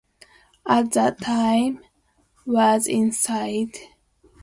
At the time was in sight.